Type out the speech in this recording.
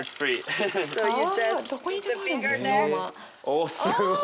おすごい。